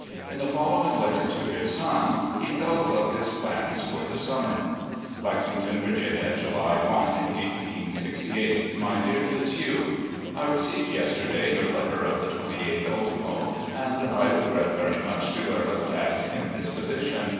In the following letter to his son he tells of his plans for the summer: "Lexington, Virginia, July i, 1868. " My Dear Fitzhugh: I received yesterday your letter of the 28th ultimo, and regret very much to learn of Tabb's indisposition.